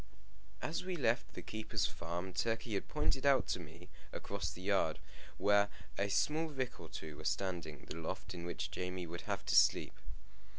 As we left the keeper's farm, Turkey had pointed out to me, across the yard, where a small rick or two were standing, the loft in which Jamie would have to sleep.